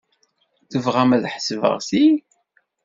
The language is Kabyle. Tebɣam ad ḥesbeɣ ti?